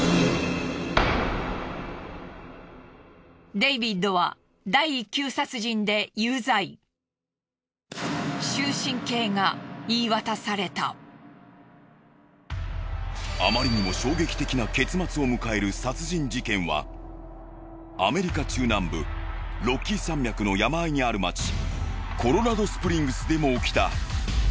デイビッドはあまりにも衝撃的な結末を迎える殺人事件はアメリカ中南部ロッキー山脈の山あいにある町コロラドスプリングスでも起きた。